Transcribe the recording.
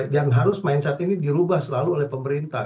yang harus mindset ini dirubah selalu oleh pemerintah